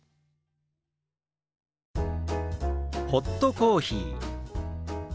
「ホットコーヒー」。